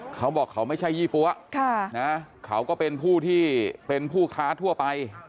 เขาบอกเขาไม่ใช่ยี่ปั๊วเขาก็เป็นผู้ที่เป็นผู้ค้าทั่วไป